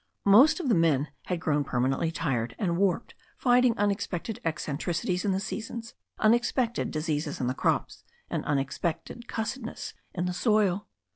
Most of the men had grown permanently tired and warped fighting unexpected eccentricities in the seasons, unexpected diseases in the crops, and unexpected cussed ness in the soil.